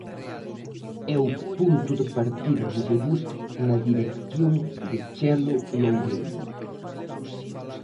É o punto de partida do debut na dirección de Chelo Loureiro.